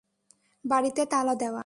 বাড়িতে তালা দেওয়া।